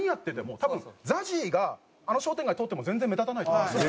多分ＺＡＺＹがあの商店街通っても全然目立たないと思いますよ。